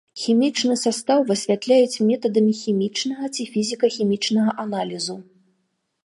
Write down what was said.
Хімічны састаў высвятляюць метадамі хімічнага ці фізіка-хімічнага аналізу.